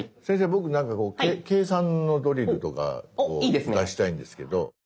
僕なんかこう計算のドリルとかを出したいんですけど。